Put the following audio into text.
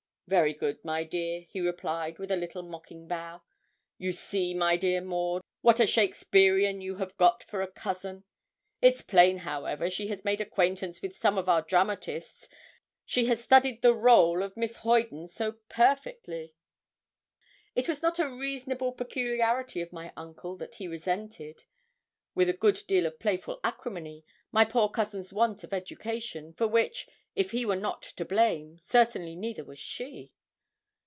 'Very good, my dear,' he replied, with a little mocking bow. 'You see, my dear Maud, what a Shakespearean you have got for a cousin. It's plain, however, she has made acquaintance with some of our dramatists: she has studied the rôle of Miss Hoyden so perfectly.' It was not a reasonable peculiarity of my uncle that he resented, with a good deal of playful acrimony, my poor cousin's want of education, for which, if he were not to blame, certainly neither was she.